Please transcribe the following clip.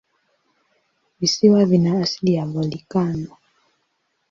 Visiwa vina asili ya volikano.